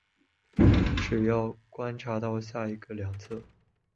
只要观察到下一个量测。